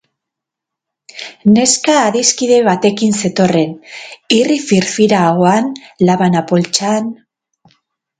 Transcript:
Neska adiskide batekin zetorren, irri firfira ahoan, labana poltsan...